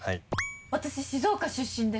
私静岡出身です。